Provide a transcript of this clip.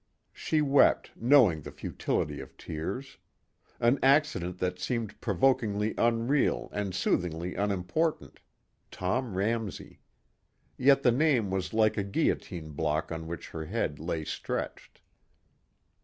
She wept, knowing the futility of tears. An accident that seemed provokingly unreal and soothingly unimportant Tom Ramsey. Yet the name was like a guillotine block on which her head lay stretched.